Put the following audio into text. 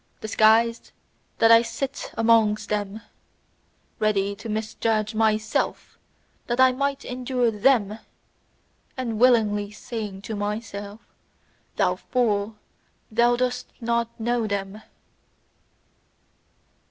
Disguised did I sit amongst them, ready to misjudge MYSELF that I might endure THEM, and willingly saying to myself: "Thou fool, thou dost not know men!"